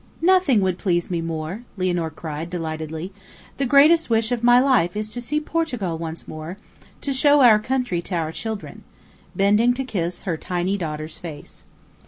"Nothing would please me more," Lianor cried, delightedly. "The greatest wish of my life is to see Portugal once more, to show our country to our children," bending to kiss her tiny daughter's face.